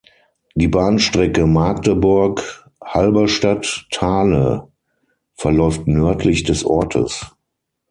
Die Bahnstrecke Magdeburg–Halberstadt–Thale verläuft nördlich des Ortes.